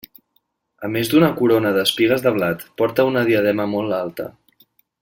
A més d'una corona d'espigues de blat, porta una diadema molt alta.